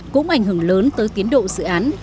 cũng ảnh hưởng lớn tới tiến độ dự án